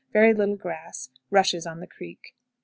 Very little grass; rushes on the creek.